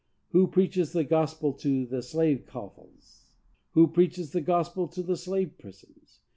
Who preaches the gospel to the slave coffles? Who preaches the gospel in the slave prisons?